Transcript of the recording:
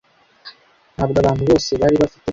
Ntabwo abantu bose bari bafite